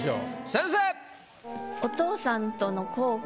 先生！